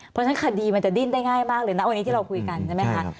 เพราะฉะนั้นคดีมันจะดิ้นได้ง่ายมากเลยนะวันนี้ที่เราคุยกันใช่ไหมคะ